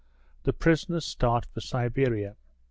THE PRISONERS START FOR SIBERIA.